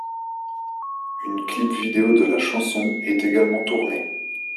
Une clip vidéo de la chanson ' est également tourné.